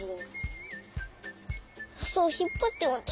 そうひっぱって。